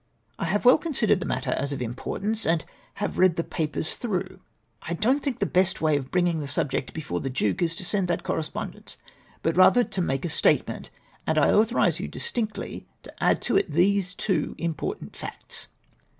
" I have well considered the matter as of importance, and have read the papers through. I don't think the best way of bringing the subject before the Duke is to send that corre spondence, but rather to make a statement, and I authorise you distinctly to add to it these two important facts.